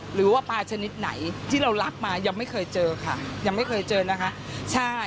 หรือว่าปลาชนิดไหนที่เรารักมายังไม่เคยเจอค่ะยังไม่เคยเจอนะคะใช่